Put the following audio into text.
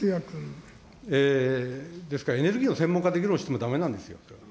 ですから、エネルギーの専門家で議論してもだめなんですよ。